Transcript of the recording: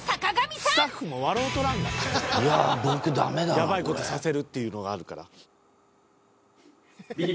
［やばい事させるっていうのがあるから］